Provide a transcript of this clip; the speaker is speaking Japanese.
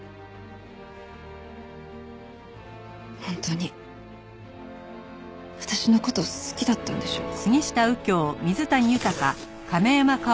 本当に私の事好きだったんでしょうか？